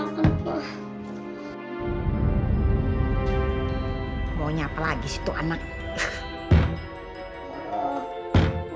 kenapa gitu kok